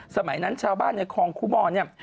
สมัยนั้นชาวบ้านในคลองคุมอนเนี่ย